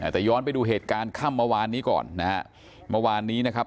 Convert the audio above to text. แต่ย้อนไปดูเหตุการณ์ค่ำเมื่อวานนี้ก่อนนะฮะเมื่อวานนี้นะครับ